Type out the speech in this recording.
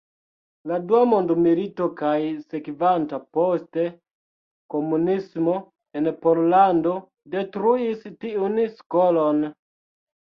La dua mondmilito kaj sekvanta poste komunismo en Pollando detruis tiun skolon.